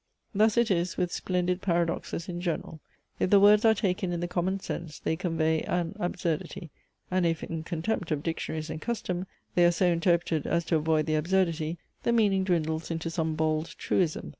Thus it is with splendid paradoxes in general. If the words are taken in the common sense, they convey an absurdity; and if, in contempt of dictionaries and custom, they are so interpreted as to avoid the absurdity, the meaning dwindles into some bald truism.